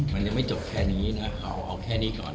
มันยังไม่จบแค่นี้นะเอาแค่นี้ก่อน